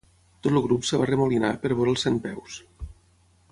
Tot el grup es va arremolinar per veure el centpeus.